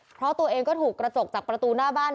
เพราะตัวเองก็ถูกกระจกจากประตูหน้าบ้าน